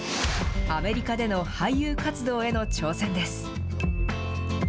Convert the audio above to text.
アメリカでの俳優活動への挑戦です。